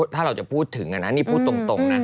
ถ้าเราจะพูดถึงนะนี่พูดตรงนะ